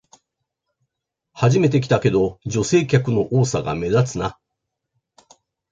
初めて来たけど、女性客の多さが目立つな